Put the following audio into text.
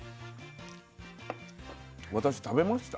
私食べました？